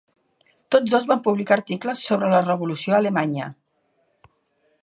Tots dos van publicar articles sobre la revolució alemanya.